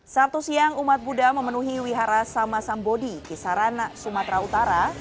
sabtu siang umat buddha memenuhi wihara sama sambodi kisaran sumatera utara